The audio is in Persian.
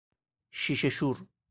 شیشه شور